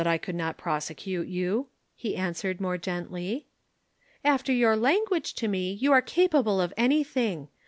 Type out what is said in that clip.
_] "'You know I could not prosecute you,' he answered more gently. "'After your language to me you are capable of anything.